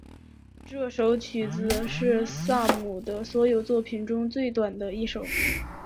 这首曲子是萨提的所有作品中最短的一首。